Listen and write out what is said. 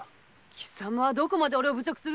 貴様はどこまで俺を侮辱する。